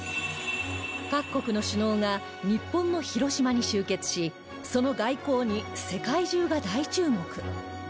各国の首脳が日本の広島に集結しその外交に世界中が大注目